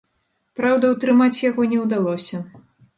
Праўда, утрымаць яго не ўдалося.